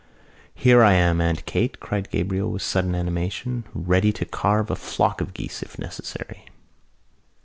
"Here I am, Aunt Kate!" cried Gabriel, with sudden animation, "ready to carve a flock of geese, if necessary."